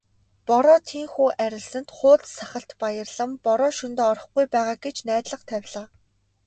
Бороо тийнхүү арилсанд хууз сахалт баярлан "Бороо шөнөдөө орохгүй байгаа" гэж найдлага тавилаа.